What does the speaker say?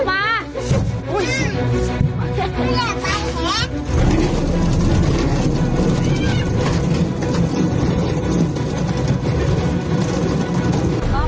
ออกมาเร็ว